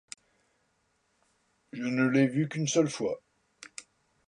Je ne l'ai vue qu'une seule fois.